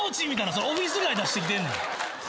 それオフィス街出してきてんねん。